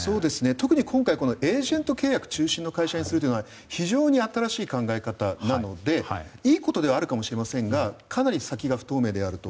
特に今回エージェント契約中心の会社にするというのは非常に新しい考え方なのでいいことではあるかもしれませんがかなり先が不透明であると。